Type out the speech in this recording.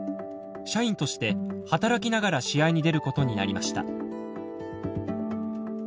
社員として働きながら試合に出ることになりました。